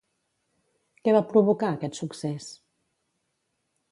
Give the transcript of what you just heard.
Què va provocar aquest succés?